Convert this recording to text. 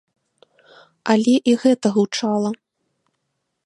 Але і гэта гучала.